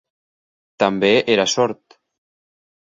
També era sord.